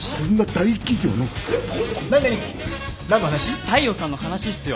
大陽さんの話っすよ！